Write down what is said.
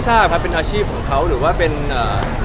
อย่างเรื่องให้น้องบูกเริ่มเร่งเล่น